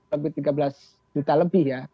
lebih tiga belas juta lebih ya